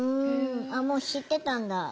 あっもう知ってたんだ？